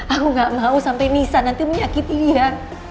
aku gak mau sampai nisa nanti menyakiti dia